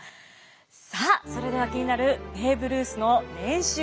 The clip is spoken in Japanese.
さあそれでは気になるベーブ・ルースの年収にまいります。